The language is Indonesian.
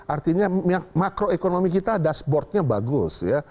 artinya makroekonomi kita dashboardnya bagus ya